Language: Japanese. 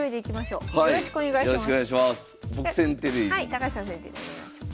高橋さん先手でお願いします。